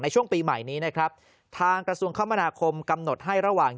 ช่วงปีใหม่นี้นะครับทางกระทรวงคมนาคมกำหนดให้ระหว่าง